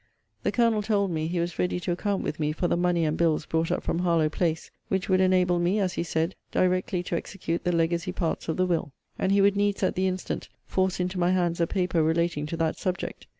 The Colonel told me, he was ready to account with me for the money and bills brought up from Harlowe place; which would enable me, as he said, directly to execute the legacy parts of the will; and he would needs at the instant force into my hands a paper relating to that subject.